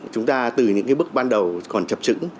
chúng ta từ những bước ban đầu còn chập trứng